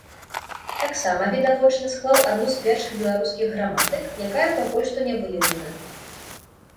Таксама, відавочна, склаў адну з першых беларускіх граматык, якая пакуль што не выяўлена.